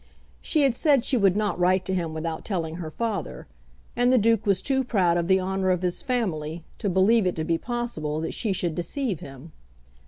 She had said she would not write to him without telling her father, and the Duke was too proud of the honour of his family to believe it to be possible that she should deceive him.